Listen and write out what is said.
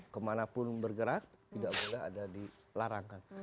kemanapun bergerak tidak boleh ada dilarangkan